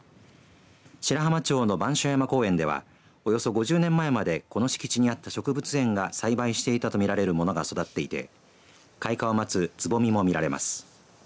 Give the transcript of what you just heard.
白浜町の番所山公園ではおよそ５０年前までこの敷地にあった植物園が栽培していたと見られるものが育っていって開花を待つつぼみも見られます。